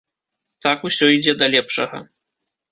Так усё ідзе да лепшага.